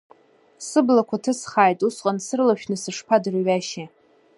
Сыблақәа ҭысхааит, усҟан сырлашәны сышԥадырҩашьеи!